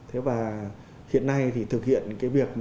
hiện nay thì thực hiện việc